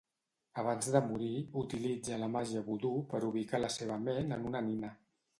Abans de morir, utilitza la màgia vodú per ubicar la seva ment en una nina.